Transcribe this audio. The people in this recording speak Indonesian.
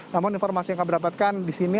namun informasi yang kami dapatkan di sini